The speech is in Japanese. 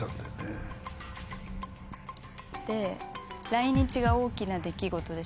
来日が大きな出来事でしょ？